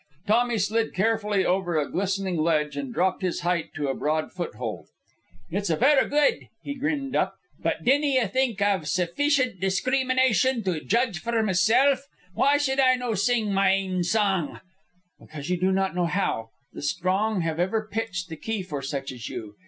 Tommy slid carefully over a glistening ledge and dropped his height to a broad foothold. "It's a' vera guid," he grinned up; "but dinna ye think a've suffeecient discreemeenation to judge for mysel'? Why should I no sing my ain sang?" "Because you do not know how. The strong have ever pitched the key for such as you.